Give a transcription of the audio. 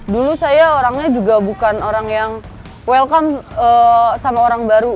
dulu saya orangnya juga bukan orang yang welcome sama orang baru